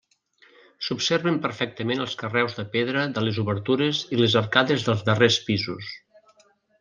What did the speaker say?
S'observen perfectament els carreus de pedra de les obertures i les arcades dels darrers pisos.